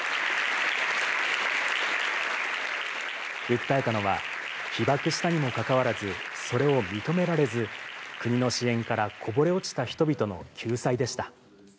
訴えたのは、被爆したにもかかわらず、それを認められず、国の支援からこぼれ落ちた人々の救済でした。